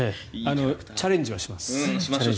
チャレンジはします。